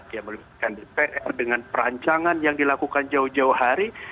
dia melibatkan dengan perancangan yang dilakukan jauh jauh hari